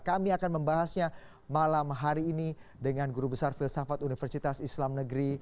kami akan membahasnya malam hari ini dengan guru besar filsafat universitas islam negeri